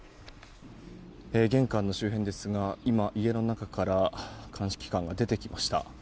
玄関の周辺ですが今、家の中から鑑識官が出てきました。